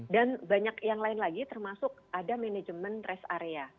dan banyak yang lain lagi termasuk ada manajemen rest area